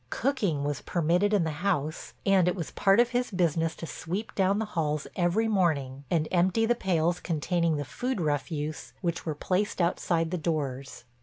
Cooking was permitted in the house and it was part of his business to sweep down the halls every morning and empty the pails containing the food refuse which were placed outside the doors.